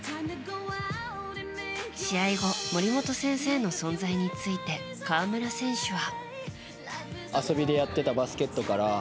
試合後、森本先生の存在について河村選手は。